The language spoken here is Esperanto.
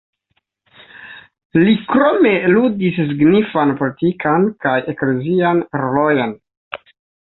Li krome ludis signifan politikan kaj eklezian rolojn.